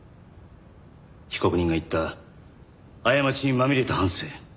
被告人が言った「過ちにまみれた半生」。